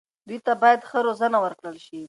دوی ته باید ښه روزنه ورکړل شي.